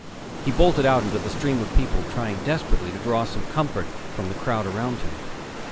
He bolted out into the stream of people, trying desperately to draw some comfort from the crowd around him.